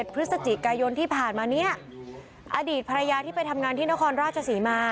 พฤศจิกายนที่ผ่านมาเนี่ยอดีตภรรยาที่ไปทำงานที่นครราชศรีมา